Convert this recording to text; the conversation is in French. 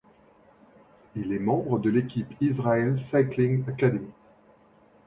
Il est membre de l'équipe Israel Cycling Academy.